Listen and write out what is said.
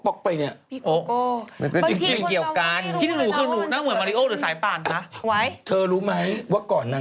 แปลว่าเล่นที่มีแล้วไม่มี